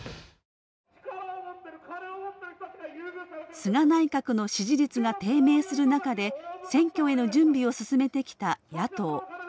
菅内閣の支持率が低迷する中で選挙への準備を進めてきた野党。